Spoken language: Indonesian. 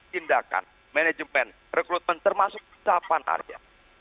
tindakan manajemen rekrutmen termasuk utapan arya